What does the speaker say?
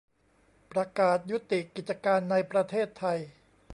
ประกาศยุติกิจการในประเทศไทย